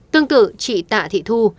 tương tự chị tạ thị thu